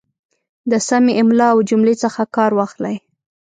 د سمې املا او جملې څخه کار واخلئ